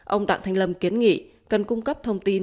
ông đặng thanh lâm kiến nghị cần cung cấp thông tin